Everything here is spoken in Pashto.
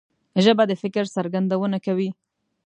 ژبه د فکر څرګندونه کوي